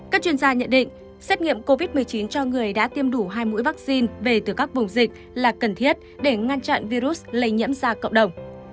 các chuyên gia nhận định xét nghiệm covid một mươi chín cho người đã tiêm đủ hai mũi vaccine về từ các vùng dịch là cần thiết để ngăn chặn virus lây nhiễm ra cộng đồng